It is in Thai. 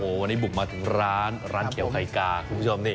วันนี้บุกมาถึงร้านร้านเขียวไข่กาคุณผู้ชมนี่